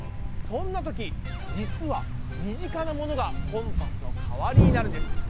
そんなとき実は身近なものがコンパスの代わりになるんです。